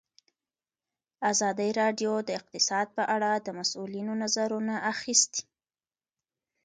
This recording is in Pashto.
ازادي راډیو د اقتصاد په اړه د مسؤلینو نظرونه اخیستي.